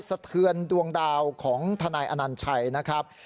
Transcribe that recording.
สะเทือนดวงดาวของทนายอนัญชัยนะครับ